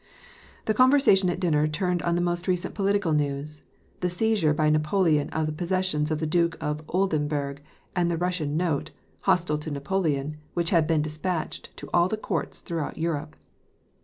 The conversation at dinner turned on the most recent political news : the seizure by Napoleon of the possessions of the Duke of Oldenburg, and the Russian note — hostile to Napoleon — which had been despatched to all the courts throughout Europe.